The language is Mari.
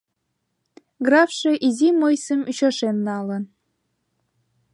Графше изи мыйсым ӱчашен налын.